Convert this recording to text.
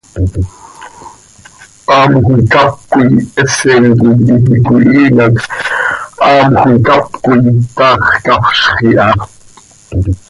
Haamjö icáp coi hesen coi iiqui cöihiin hac haamjö icáp coi, taax cafzx iha.